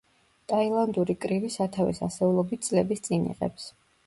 ტაილანდური კრივი სათავეს ასეულობით წლების წინ იღებს.